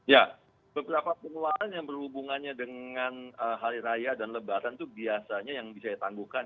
ya beberapa penularan yang berhubungannya dengan hari raya dan lebaran itu biasanya yang bisa ditangguhkan